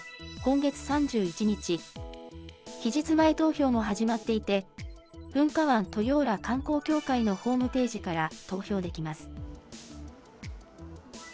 期日前投票も始まっていて、噴火湾とようら観光協会のホームページから投票できます。